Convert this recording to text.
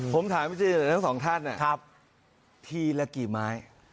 ผมถามพิษนุโลกทั้งสองท่านทีละกี่ไม้